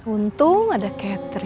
untung ada catherine